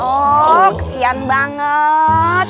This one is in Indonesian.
oh kesian banget